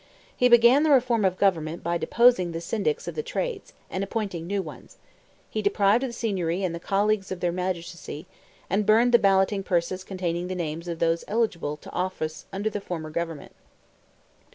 He began the reform of government by deposing the Syndics of the trades, and appointing new ones; he deprived the Signory and the Colleagues of their magistracy, and burned the balloting purses containing the names of those eligible to office under the former government.